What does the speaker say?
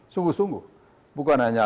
sungguh sungguh bukan hanya